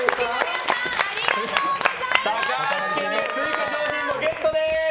高橋家、追加賞品ゲットです。